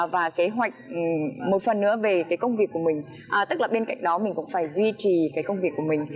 và kế hoạch một phần nữa về cái công việc của mình tức là bên cạnh đó mình cũng phải duy trì cái công việc của mình